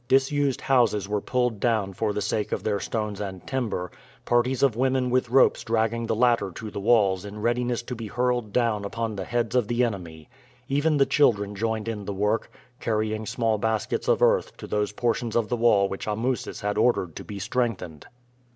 Disused houses were pulled down for the sake of their stones and timber, parties of women with ropes dragging the latter to the walls in readiness to be hurled down upon the heads of the enemy. Even the children joined in the work, carrying small baskets of earth to those portions of the wall which Amusis had ordered to be strengthened.